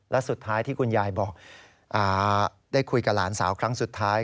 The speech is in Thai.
และสุดท้ายที่คุณยายบอกได้คุยกับหลานสาวครั้งสุดท้าย